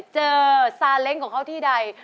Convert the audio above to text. ซาเล้งของเขาที่ใด